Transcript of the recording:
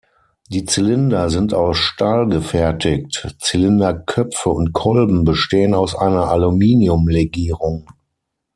Die Zylinder sind aus Stahl gefertigt; Zylinderköpfe und Kolben bestehen aus einer Aluminiumlegierung.